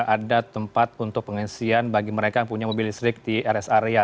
ada tempat untuk pengisian bagi mereka yang punya mobil listrik di rest area